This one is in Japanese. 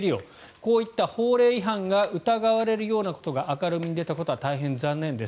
こういった法令違反が疑われるようなことが明るみに出たことは大変残念です。